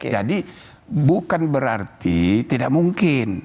jadi bukan berarti tidak mungkin